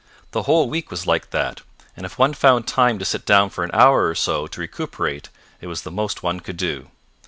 The whole week was like that, and if one found time to sit down for an hour or so to recuperate it was the most one could do.